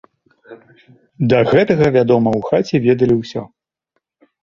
Да гэтага, вядома, у хаце ведалі ўсё.